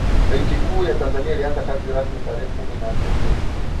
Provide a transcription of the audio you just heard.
benki kuu ya tanzania ilianza kazi rasmi tarehe kumi na nne juni